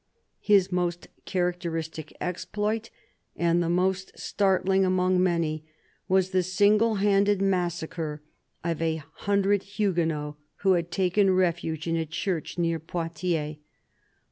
His most characteristic exploit, and the most startling among many, was the single handed massacre of a hundred Huguenots who had taken refuge in a church near Poitiers.